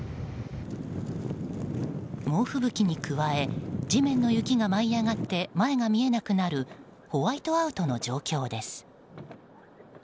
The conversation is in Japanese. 猛吹雪に加え地面の雪が舞い上がって前が見えなくなるホワイトアウトの状況です。